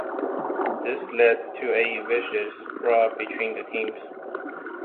This led to a vicious brawl between the teams.